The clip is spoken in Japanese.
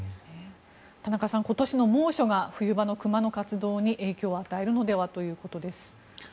田中さん、今年の猛暑が冬場の熊の活動に影響を与えるのではということです。